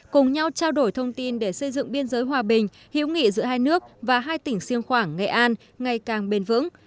cùng nhau trao đổi thông tin để xây dựng biên giới hòa bình hiểu nghị giữa hai nước và hai tỉnh siêng khoảng nghệ an ngày càng bền vững